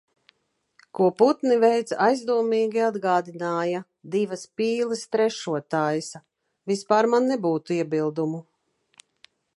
Ko putni veica aizdomīgi atgādināja "divas pīles trešo taisa". Vispār man nebūtu iebildumu.